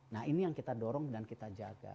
nah ini yang kita dorong dan kita jaga